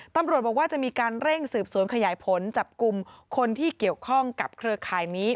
ตำรวจบอกว่าจะมีการเร่งสืบสวนขยายผลจับกลุ่มคนที่เกี่ยวข้องกับเครือข่ายนี้